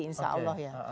insya allah ya